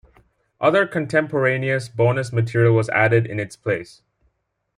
Other contemporaneous bonus material was added in its place.